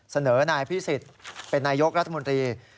เสนอนายพิสิทธิ์เป็นนายกรัฐมนตรี